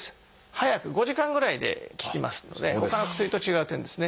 早く５時間ぐらいで効きますのでほかの薬と違う点ですね。